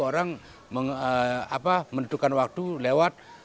orang menentukan waktu lewat